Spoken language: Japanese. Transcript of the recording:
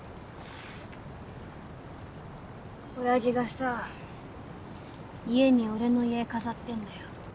親父がさ家に俺の遺影飾ってんだよ。